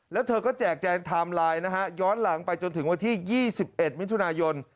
แล้วเธอก็แจกแจงไทม์ไลน์นะฮะย้อนหลังไปจนถึงวันที่๒๑มิถุนายน